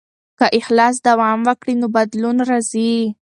که اصلاح دوام وکړي نو بدلون راځي.